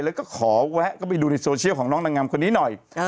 แล้วก็ขอแวะก็ไปดูในโซเชียลของน้องนางงามคนนี้หน่อย